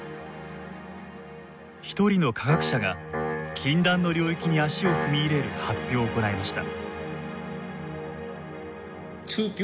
一人の科学者が禁断の領域に足を踏み入れる発表を行いました。